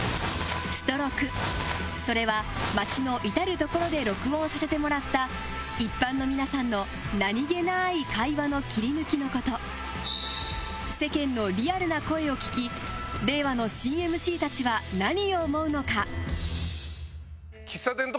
スト録それは街の至る所で録音させてもらった一般の皆さんの何げない会話の切り抜きのこと世間のリアルな声を聞き令和の新ＭＣたちは何を思うのか？